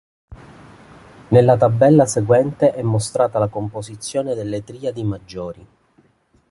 Nella tabella seguente è mostrata la composizione delle triadi maggiori.